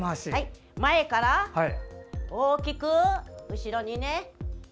前から大きく後ろに。